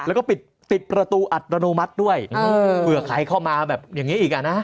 แล้วก็ปิดประตูอัตโนมัติด้วยเผื่อใครเข้ามาแบบอย่างนี้อีกอ่ะนะ